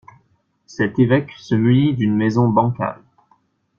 Cet évèque se munit d'une maison bancale.